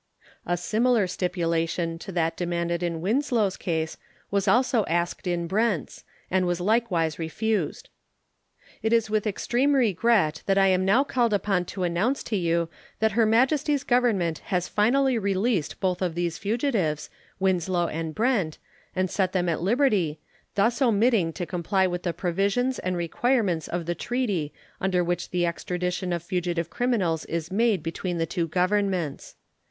A similar stipulation to that demanded in Winslow's case was also asked in Brent's, and was likewise refused. It is with extreme regret that I am now called upon to announce to you that Her Majesty's Government has finally released both of these fugitives, Winslow and Brent, and set them at liberty, thus omitting to comply with the provisions and requirements of the treaty under which the extradition of fugitive criminals is made between the two Governments.